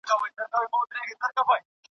د کندهار صنعت کي د کیفیت معیارونه څنګه ټاکل کېږي؟